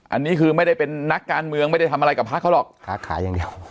อันนี้คือไม่ได้เป็นนักการเมืองไม่ได้ทำอะไรกับพักขนาดนั้นหรอก